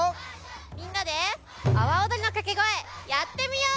みんなであわおどりのかけごえやってみよう！